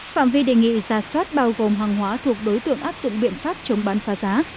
phạm vi đề nghị giả soát bao gồm hàng hóa thuộc đối tượng áp dụng biện pháp chống bán phá giá